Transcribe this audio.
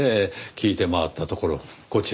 聞いて回ったところこちらを。